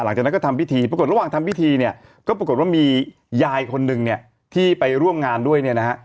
หลังจากนั้นก็ทำพิธีปรากฏระหว่างทำพิธีเนี่ยก็ปรากฏว่ามียายคนหนึ่งเนี่ยที่ไปร่วมงานด้วยเนี่ยนะฮะ